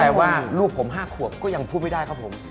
แต่ว่าลูกผม๕ขวบก็ยังพูดไม่ได้ครับผม